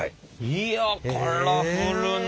いやカラフルな！